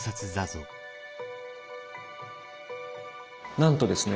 なんとですね